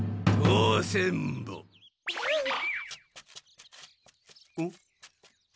あっ！